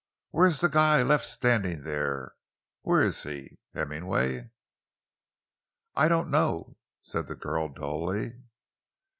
"Where's that guy I left standin' there? Where's he—Hemmingway?" "I don't know," said the girl dully.